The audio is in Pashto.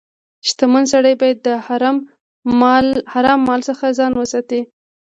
• شتمن سړی باید د حرام مال څخه ځان وساتي.